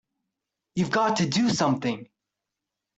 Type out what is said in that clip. You've got to do something!